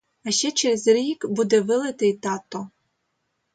А ще через рік буде вилитий тато.